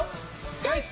チョイス！